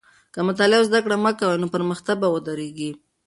که مطالعه او زده کړه مه کوې، نو پرمختګ به ودرېږي.